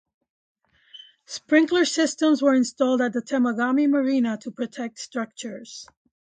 Sprinkler systems were installed at the Temagami marina to protect structures from the wildfire.